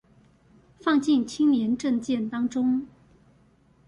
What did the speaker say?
放進青年政見當中